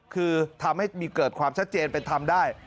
คือทำให้มีเกิดความชัดเจนไปทำได้